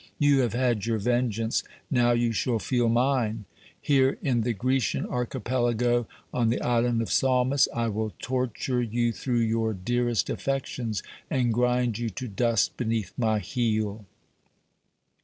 You have had your vengeance; now you shall feel mine! Here in the Grecian Archipelago, on the Island of Salmis, I will torture you through your dearest affections, and grind you to dust beneath my heel!"